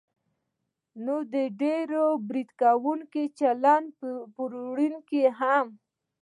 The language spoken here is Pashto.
نو د ډېر برید کوونکي چلند پېرودونکی به هم